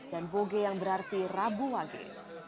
dan aboge yang berarti rabu lagi